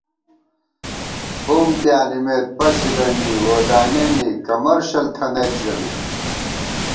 بُم پیانِمېت پَسِلَنی وودانِیَنی کمرشل تھنَئیت ژَمېت